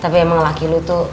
tapi emang laki lu tuh